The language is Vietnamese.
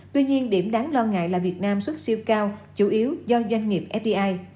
tuy nhiên điểm đáng lo ngại là việt nam xuất siêu cao chủ yếu do doanh nghiệp fdi